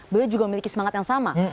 beliau juga memiliki semangat yang sama